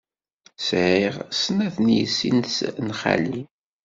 Sɛiɣ snat n yessi-s n xali.